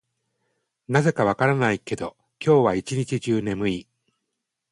なぜか分からないけど、今日は一日中眠い。